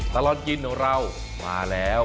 ตลอดกินของเรามาแล้ว